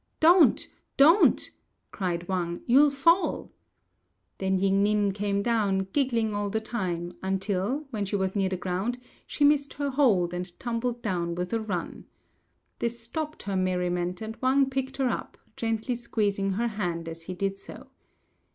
"Don't! don't!" cried Wang, "you'll fall!" Then Ying ning came down, giggling all the time, until, when she was near the ground, she missed her hold, and tumbled down with a run. This stopped her merriment, and Wang picked her up, gently squeezing her hand as he did so.